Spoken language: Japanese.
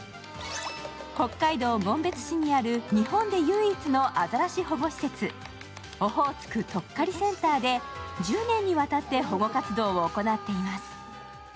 北海道紋別市にある日本で唯一のアザラシ保護施設、オホーツクとっかりセンターで１０年にわたって保護活動を行っています。